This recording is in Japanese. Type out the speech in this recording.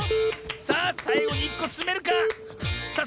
さあさいごに１こつめるか⁉さあ